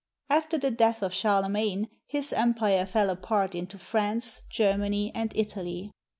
After the death of Charlemagne his empire fell apart into France, Germany, and Italy.